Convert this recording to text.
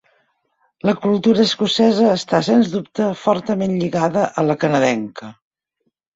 La cultura escocesa està sens dubte fortament lligada a la canadenca.